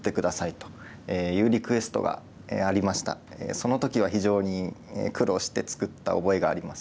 その時は非常に苦労して作った覚えがあります。